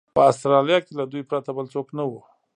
په اسټرالیا کې له دوی پرته بل څوک نه و.